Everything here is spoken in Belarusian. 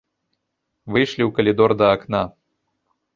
Выйшлі ў калідор, да акна.